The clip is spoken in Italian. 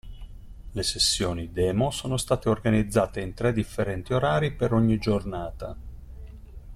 Le sessioni Demo sono state organizzate in tre differenti orari per ogni giornata.